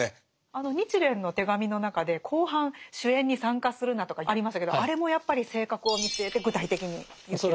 あの「日蓮の手紙」の中で後半「酒宴に参加するな」とかありましたけどあれもやっぱり性格を見据えて具体的に言っているんですか？